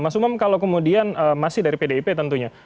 mas umam kalau kemudian masih dari pdip tentunya